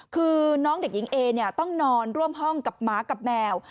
คือน้องเด็กหญิงเอเนี่ยต้องนอนร่วมห้องกับหมากับแมว